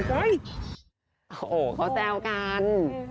โอ้โหเขาแซวกัน